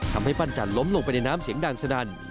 ปั้นจันทล้มลงไปในน้ำเสียงดังสนั่น